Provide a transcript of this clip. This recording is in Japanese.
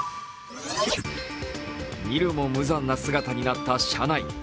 見るも無残な姿になった車内。